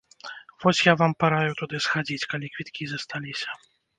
Вось я вам параю туды схадзіць, калі квіткі засталіся.